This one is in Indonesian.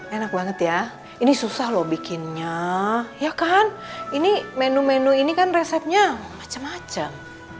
enak banget ya ini susah loh bikinnya ya kan ini menu menu ini kan resepnya macam macam